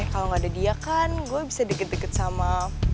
kalau nggak ada dia kan gue bisa deket deket sama